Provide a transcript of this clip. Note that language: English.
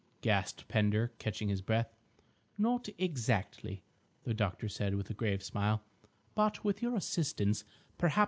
gasped Pender, catching his breath. "Not exactly," the doctor said, with a grave smile, "but with your assistance, perhaps.